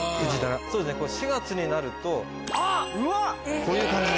そうですね４月になるとこういう感じで。